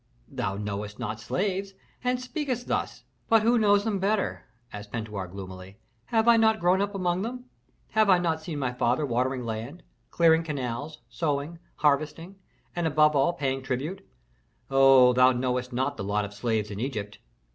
"Thou knowest not slaves, hence speakest thus " "But who knows them better?" asked Pentuer, gloomily. "Have I not grown up among them? Have I not seen my father watering land, clearing canals, sowing, harvesting, and, above all, paying tribute? Oh, thou knowest not the lot of slaves in Egypt."